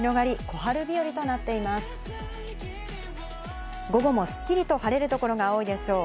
ここもすっきりと晴れる所が多いでしょう。